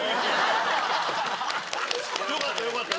よかったよかった。